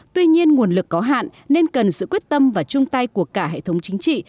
tuy nhiên nguồn lực có hạn nên cần sự quyết tâm và chung tay của cả hệ thống chính trị